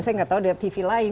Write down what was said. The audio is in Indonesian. saya nggak tahu ada tv lain